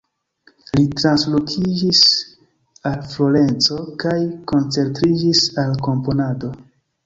Li translokiĝis al Florenco kaj koncentriĝis al komponado.